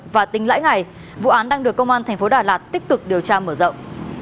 và tính lãi ngày vụ án đang được công an thành phố đà lạt tích cực điều tra mở rộng